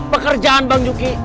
pekerjaan bang joki